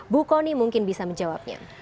bu kony mungkin bisa menjawabnya